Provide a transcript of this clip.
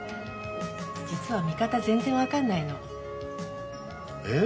実は見方全然分かんないの。え？